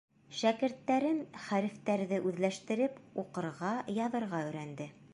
Шәкерттәрем, хәрефтәрҙе үҙләштереп, уҡырға, яҙырға өйрәнде.